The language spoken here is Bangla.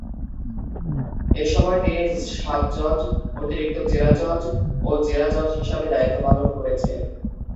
এসময় তিনি সাব জজ, অতিরিক্ত জেলা জজ ও জেলা জজ হিসেবে দায়িত্বপালন করেছেন।